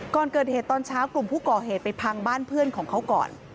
ก่อนเกิดเหตุตอนเช้ากลุ่มผู้ก่อเหตุไปพังบ้านเพื่อนของเขาก่อน